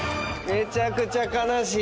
めちゃくちゃ悲しい！